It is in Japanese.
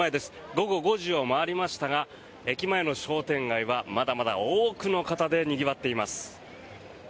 午後５時を回りましたが駅前の商店街はまだまだ多くの方でにぎわっています。